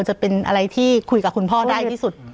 จะเป็นอะไรที่คุยกับคุณพ่อได้ที่สุด